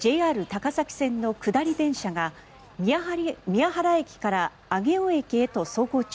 ＪＲ高崎線の下り電車が宮原駅から上尾駅へと走行